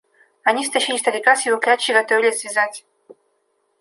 Они стащили старика с его клячи и готовились вязать.